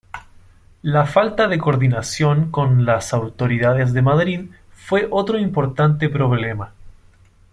La falta de coordinación con las autoridades de Madrid fue otro importante problema.